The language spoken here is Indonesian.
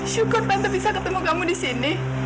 syukur tante bisa ketemu kamu disini